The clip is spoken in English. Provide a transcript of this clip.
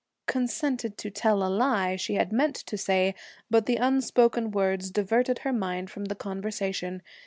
'Consented to tell a lie' she had meant to say, but the unspoken words diverted her mind from the conversation.